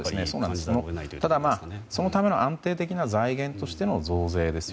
ただそのための安定的な財源としての増税ですよ。